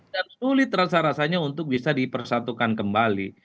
sulit rasa rasanya untuk bisa dipersatukan kembali